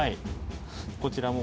こちらも。